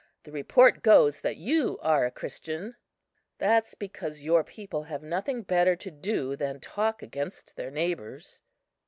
The report goes that you are a Christian." "That's because your people have nothing better to do than talk against their neighbours."